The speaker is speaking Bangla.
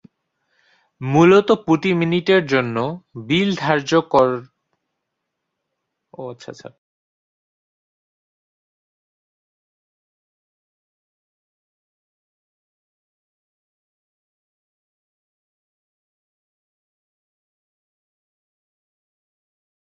এছাড়াও ক্লাব ফুটবলে জার্মান দল বায়ার্ন মিউনিখ তাদের শ্রেষ্ঠত্ব প্রমাণ করেছে।